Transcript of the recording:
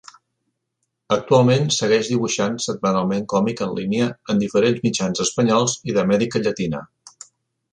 Actualment segueix dibuixant setmanalment còmic en línia en diferents mitjans espanyols i d'Amèrica Llatina.